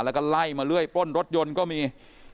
แล้วก็ไล่มาเรื่อยปล้นรถยนต์ก็มี